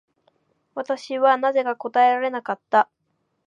私はなぜか答えられなかった。